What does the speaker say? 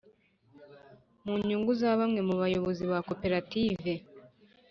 mu nyungu za bamwe mu bayobozi ba koperative,